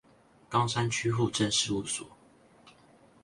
岡山區戶政事務所